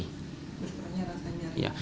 berkurangnya rasa nyeri